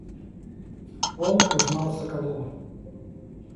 Он узнал Соколова.